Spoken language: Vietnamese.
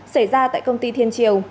xảy ra tại công ty thiên triều